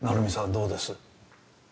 どうです？